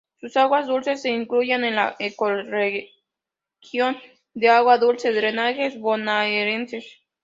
Sus aguas dulces se incluyen en la ecorregión de agua dulce drenajes bonaerenses.